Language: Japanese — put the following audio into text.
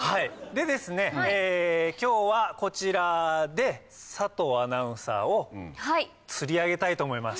でですね今日はこちらで佐藤アナウンサーをつり上げたいと思います。